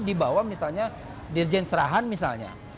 dibawa misalnya dirjen serahan misalnya